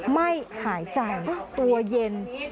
ไม่หายใจตัวเย็น